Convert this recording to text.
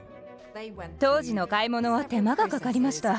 当時の買い物は手間がかかりました。